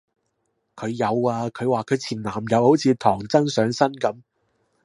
佢有啊，佢話佢個前男友好似唐僧上身噉